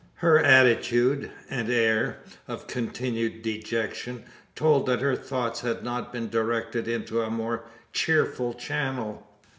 Her attitude, and air, of continued dejection told that her thoughts had not been directed into a more cheerful channel.